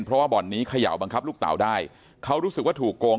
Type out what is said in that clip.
เพราะว่าบ่อนนี้เขย่าบังคับลูกเต่าได้เขารู้สึกว่าถูกโกง